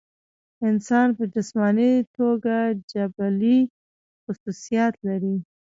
انسان پۀ جسماني توګه جبلي خصوصيات لري